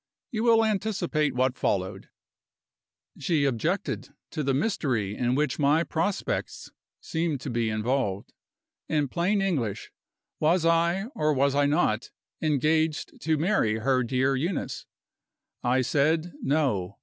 You will anticipate what followed. She objected to the mystery in which my prospects seemed to be involved. In plain English, was I, or was I not, engaged to marry her dear Eunice? I said, No.